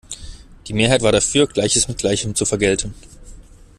Die Mehrheit war dafür, Gleiches mit Gleichem zu vergelten.